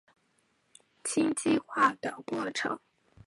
羟基化的过程。